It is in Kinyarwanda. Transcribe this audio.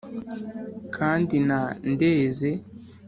Kandi na Ndeze